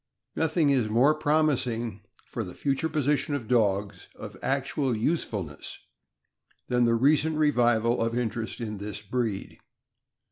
is more promising for the future position of dogs of actual usefulness than the recent revival of interest in this breed.